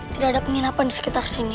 tidak ada penginapan di sekitar sini